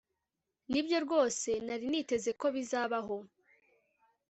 Nibyo rwose nari niteze ko bizabaho